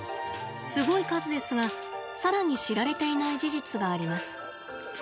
すごい数ですが、さらに知られていない事実があります。